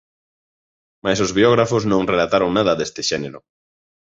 Mais os biógrafos non relataron nada deste xénero.